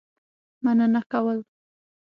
مننه کول.